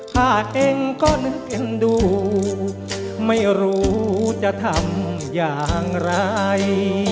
เองก็นึกเอ็นดูไม่รู้จะทำอย่างไร